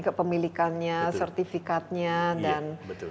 kepemilikannya sertifikatnya dan